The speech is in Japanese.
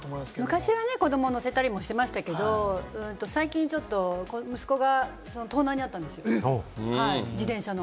昔は子どもを乗せたりしてましたけれど、最近、息子が盗難に遭ったんですよ、自転車の。